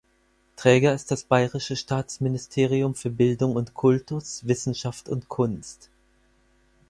Träger ist das Bayerische Staatsministerium für Bildung und Kultus, Wissenschaft und Kunst.